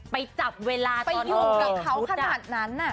ไปจับเวลาไปอยู่กับเขาขนาดนั้น